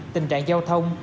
tình trạng giao thông